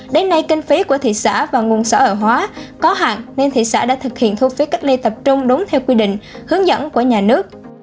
đến nay kinh phí của thị xã và nguồn xã hội hóa có hạn nên thị xã đã thực hiện thu phí cách ly tập trung đúng theo quy định hướng dẫn của nhà nước